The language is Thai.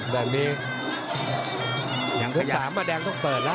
ลูกสามแดงต้องเปิดละ